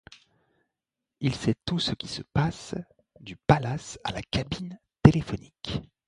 Il sait tout ce qui se passe du palace à la cabine téléphonique.